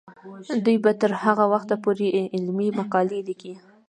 دوی به تر هغه وخته پورې علمي مقالې لیکي.